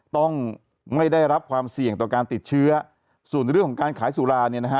ต้องไม่ได้รับความเสี่ยงต่อการติดเชื้อส่วนในเรื่องของการขายสุราเนี่ยนะฮะ